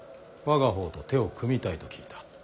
我が方と手を組みたいと聞いた。